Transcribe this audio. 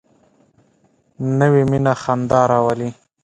نوې مینه خندا راولي